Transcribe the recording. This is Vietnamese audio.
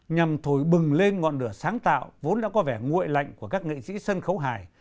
nhằm thổi bừng lên ngọn lửa sáng tạo vốn đã có vẻ nguội lạnh của các nghệ sĩ sân khấu hài